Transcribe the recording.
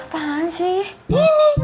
apaan sih ini